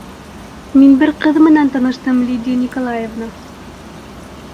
- Мин бер ҡыҙ менән таныштым, Лидия Николаевна!